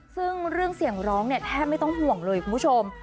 ซึ่งเรื่องเสียงร้องเนี่ยแทบไม่ต้องห่วงเลยคุณผู้ชม